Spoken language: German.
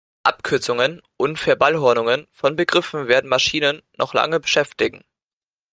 Abkürzungen und Verballhornungen von Begriffen werden Maschinen noch lange beschäftigen.